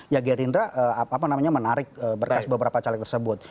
ya gerindra apa namanya menarik berkas beberapa caleg tersebut